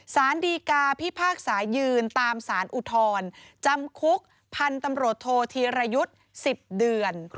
สารดีกาพิพากษายืนตามสารอุทธรจำคุกพันธุ์ตำรวจโทษธีรยุทธ์๑๐เดือน